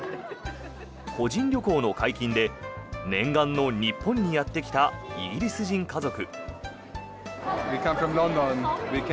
個人旅行の解禁で念願の日本にやってきたイギリス人家族。